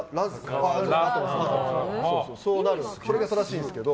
それが正しいんですけど。